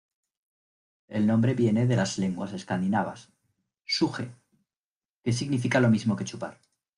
El nombre viene de las lenguas escandinavas, "suge", que significa lo mismo que chupar.